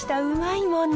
うまいな。